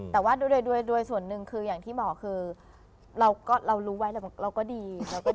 แต่ว่าด้วยส่วนหนึ่งคืออย่างที่บอกคือเรารู้ไว้เราก็ดี